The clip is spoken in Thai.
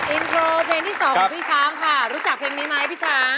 อินโทรเพลงที่๒ของพี่ช้างค่ะรู้จักเพลงนี้ไหมพี่ช้าง